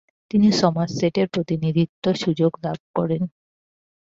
তিনি সমারসেটের প্রতিনিধিত্ব সুযোগ লাভ করেন।